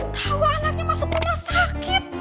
tahu anaknya masuk rumah sakit